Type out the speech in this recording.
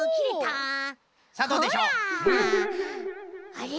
あれ？